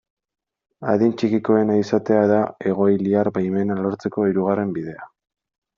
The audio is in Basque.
Adin txikikoena izatea da egoiliar baimena lortzeko hirugarren bidea.